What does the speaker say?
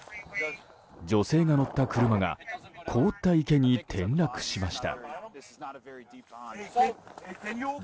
女性が乗った車が凍った池に転落しました。